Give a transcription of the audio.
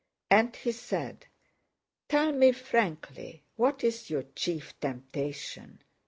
And he said, "Tell me frankly what is your chief temptation?